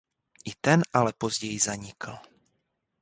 I ten ale později zanikl.